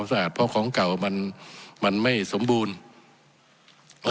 และสะอาดเพราะของเก่ามันไม่สมบูรณ์